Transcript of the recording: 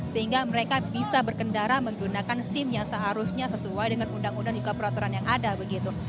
sehingga mereka bisa berkendara menggunakan sim yang seharusnya sesuai dengan undang undang juga peraturan yang ada begitu